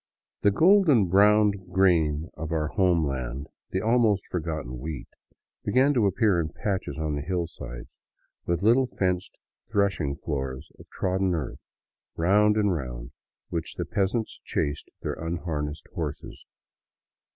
The golden brown grain of our homeland, the al most forgotten wheat, began to appear in patches on the hillsides, with little fenced threshing floors of trodden earth, round and round which the peasants chased their unharnessed horses.